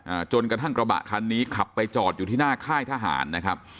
อ่าจนกระทั่งกระบะคันนี้ขับไปจอดอยู่ที่หน้าค่ายทหารนะครับ